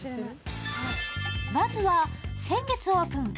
まずは、先月オープン。